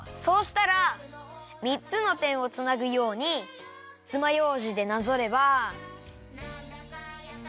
そうしたらみっつのてんをつなぐようにつまようじでなぞれば。